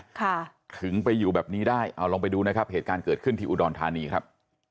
ค่ะถึงไปอยู่แบบนี้ได้เอาลองไปดูนะครับเหตุการณ์เกิดขึ้นที่อุดรธานีครับ